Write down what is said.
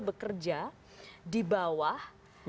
bekerja di bawah